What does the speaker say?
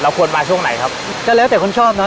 เราควรมาช่วงไหนครับแต่แล้วแต่คนชอบเนอะ